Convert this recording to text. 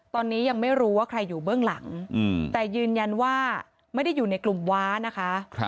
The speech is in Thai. ตอนนี้ยังไม่รู้ว่าใครอยู่เบื้องหลังแต่ยืนยันว่าไม่ได้อยู่ในกลุ่มว้านะคะ